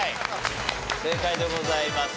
正解でございます。